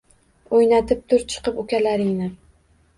O’ynatib tur chiqib, ukalaringni.